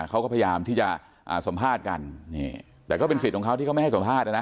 เขาก็พยายามที่จะสัมภาษณ์กันแต่ก็เป็นสิทธิ์ของเขาที่เขาไม่ให้สัมภาษณ์นะนะ